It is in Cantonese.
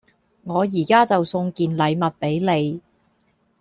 我依家就送件禮物畀你